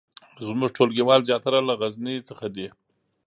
زمونږ ټولګیوال زیاتره له غزني څخه دي